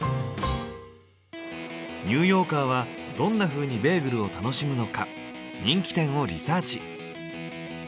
ニューヨーカーはどんなふうにベーグルを楽しむのか人気店をリサーチ。